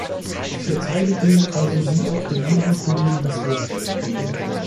Ich erteile Ihnen also wie auch den anderen Kollegen das Wort.